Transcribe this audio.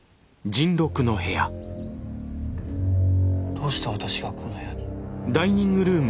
どうして私がこの部屋に？